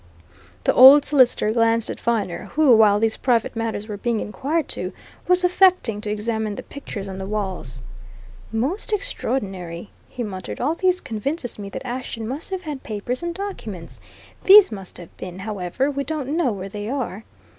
The old solicitor glanced at Viner, who, while these private matters were being inquired into, was affecting to examine the pictures on the walls. "Most extraordinary!" he muttered. "All this convinces me that Ashton must have had papers and documents! These must have been however, we don't know where they are.